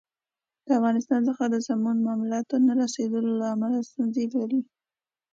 د افغانستان څخه د سمو معلوماتو نه رسېدلو له امله ستونزې لري.